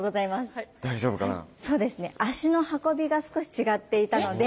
そうですね足の運びが少し違っていたので。